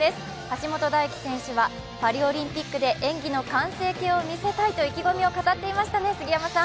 橋本大輝選手はパリオリンピックで演技の完成形を見せたいと意気込みを語っていましたね。